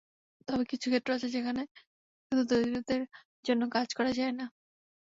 তবে কিছু ক্ষেত্র আছে, যেখানে শুধু দরিদ্রদের জন্য কাজ করা যায় না।